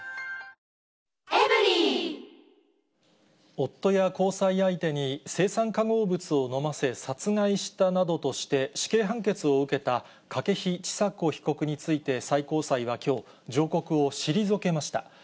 夫や交際相手に青酸化合物を飲ませ、殺害したなどとして、死刑判決を受けた筧千佐子被告について最高裁はきょう、上告を退けました。